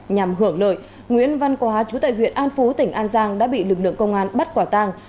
nhằm hưởng lợi nguyễn văn quá chú tại huyện an phú tỉnh an giang đã bị lực lượng công an bắt quả tàng